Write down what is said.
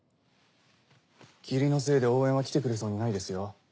霧のせいで応援は来てくれそうにないですよ。